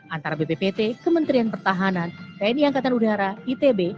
antara bppt kementerian pertahanan tni angkatan udara itb